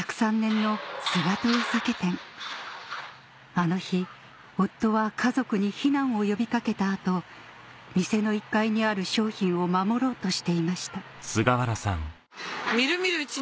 あの日夫は家族に避難を呼び掛けた後店の１階にある商品を守ろうとしていました